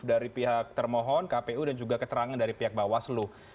dari pihak termohon kpu dan juga keterangan dari pihak bawaslu